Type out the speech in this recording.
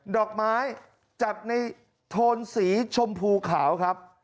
ดอกไม้จัดในโทนสีชมพูขาวครับ